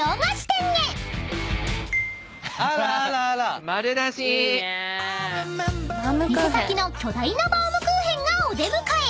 ［店先の巨大なバウムクーヘンがお出迎え］